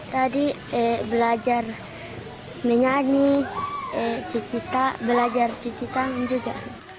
tadi belajar menyanyi cikita belajar cikita juga